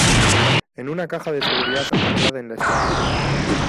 en una caja de seguridad anclada en la estructura.